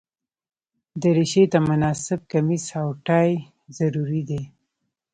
دریشي ته مناسب کمیس او ټای ضروري دي.